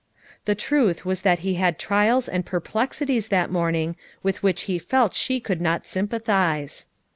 The truth was that he had trials and per plexities that morning, with which he felt she could not sympathize.